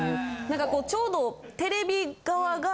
何かこうちょうどテレビ側が。